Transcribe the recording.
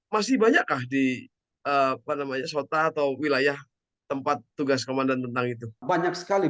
masih banyak di mana banyak sota atau wilayah tempat tugas komandan tentang itu banyak sekali